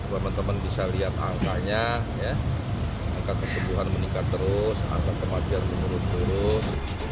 teman teman bisa lihat angkanya angka kesembuhan meningkat terus angka kematian menurun turun